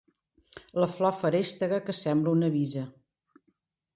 La flor feréstega que sembla una visa.